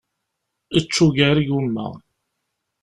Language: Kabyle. Ečč ugar igumma.